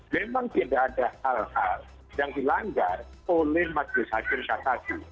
memang tidak ada hal hal yang dilanggar oleh majelis hakim kasasi